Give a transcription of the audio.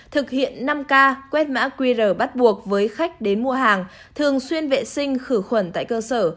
thực hiện năm k quét quét mã qr bắt buộc với khách đến mua hàng thường xuyên vệ sinh khử khuẩn tại cơ sở